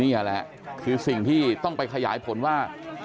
นี่แหละคือสิ่งที่ต้องไปขยายผลว่า